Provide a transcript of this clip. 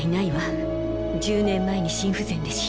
１０年前に心不全で死んだの。